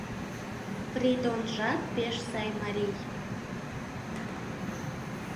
Придонжат пеш сай марий.